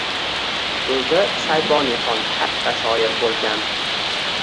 O‘zi Shayboniyxon katta shoir bo‘lgan